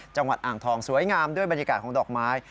จังหวัดอ่างทองสวยงามด้วยบรรยากาศของดอกไม้